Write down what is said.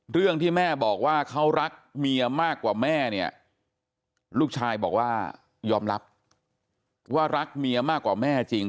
เรื่องที่แม่บอกว่าเขารักเมียมากกว่าแม่เนี่ยลูกชายบอกว่ายอมรับว่ารักเมียมากกว่าแม่จริง